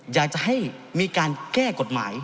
อยากจะให้มีการแก้กฎหมาย